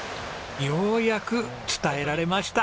ようやく伝えられました。